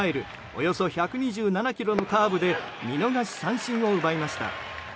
およそ１２７キロのカーブで見逃し三振を奪いました。